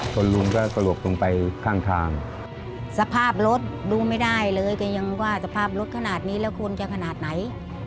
คนลุงก็กระโดดลงไปข้างทาง